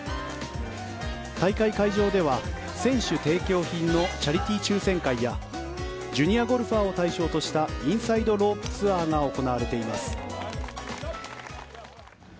大会会場では、選手提供品のチャリティー抽選会やジュニアゴルファーを対象としたインサイドロープツアーが行われています。